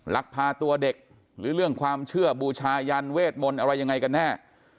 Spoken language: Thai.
ลักพาตัวเด็กหรือเรื่องความเชื่อบูชายันเวทมนต์อะไรยังไงกันแน่